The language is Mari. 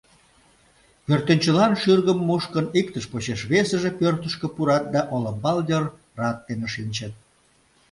Пӧртӧнчылан шӱргым мушкын, иктыж почеш весыже пӧртышкӧ пурат да олымбал йыр рат дене шинчыт.